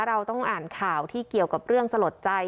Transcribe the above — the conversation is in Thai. เราต้องอ่านข่าวที่เกี่ยวกับเรื่องสลดใจ